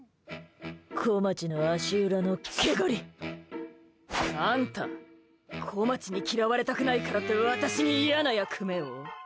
こまちの足裏の毛刈り。あんたこまちに嫌われたくないからって私に嫌な役目を。